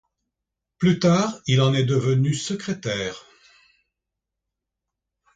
Plus tard, il en est devenu secrétaire.